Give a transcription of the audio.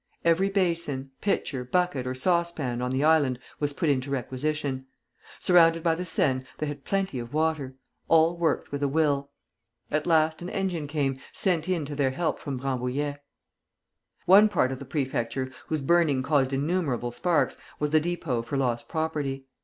Every basin, pitcher, bucket, or saucepan on the island was put into requisition. Surrounded by the Seine, they had plenty of water. All worked with a will. At last an engine came, sent in to their help from Rambouillet. One part of the Prefecture, whose burning caused innumerable sparks, was the depot for lost property.